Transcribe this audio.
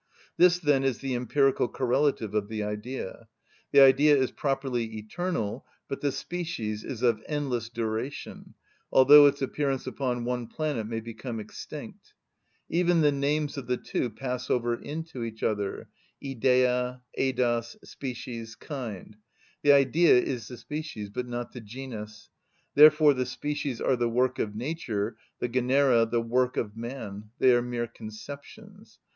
This, then, is the empirical correlative of the Idea. The Idea is properly eternal, but the species is of endless duration, although its appearance upon one planet may become extinct. Even the names of the two pass over into each other: ιδεα, ειδος, species, kind. The Idea is the species, but not the genus: therefore the species are the work of nature, the genera the work of man; they are mere conceptions.